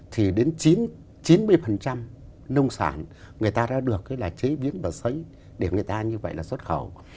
thì đến chín mươi nông sản người ta đã được là chế biến và sấy để người ta như vậy là xuất khẩu